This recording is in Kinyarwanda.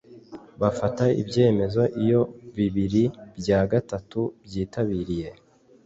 bafata ibyemezo iyo bibiri bya gatatu byitabiriye